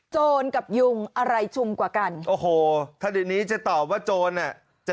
โจรกับยุงอะไรชุมกว่ากันโอ้โหถ้าเดี๋ยวนี้จะตอบว่าโจรอ่ะจะ